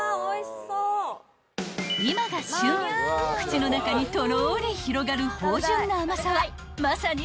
［今が旬口の中にとろり広がる芳醇な甘さはまさに至福］